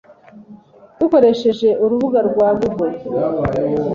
dukoresheje urubuga rwa google